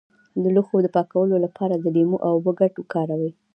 د لوښو د پاکوالي لپاره د لیمو او اوبو ګډول وکاروئ